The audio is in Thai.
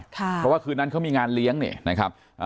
เพราะว่าคืนนั้นเขามีงานเลี้ยงเนี่ยนะครับ